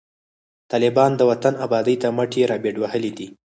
طالبان د وطن آبادۍ ته مټي رابډوهلي دي